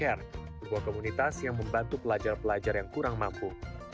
ibe juga menjelaskan bahwa ibe adalah sebuah komunitas yang membantu pelajar pelajar yang kurang mampu